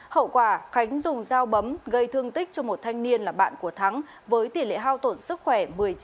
hậu quả khánh dùng dao bấm gây thương tích cho một thanh niên là bạn của thắng với tỷ lệ hao tổn sức khỏe một mươi chín